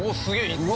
いった！